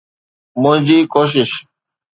منهنجي ڪوشش